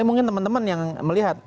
mungkin teman teman yang melihat